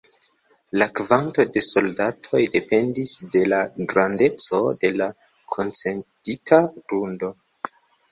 La kvanto de soldatoj dependis de la grandeco de la koncedita grundo.